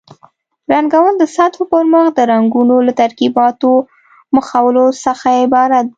رنګول د سطحو پرمخ د رنګونو له ترکیباتو مښلو څخه عبارت دي.